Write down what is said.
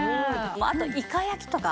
あとイカ焼きとか。